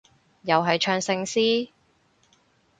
又係唱聖詩？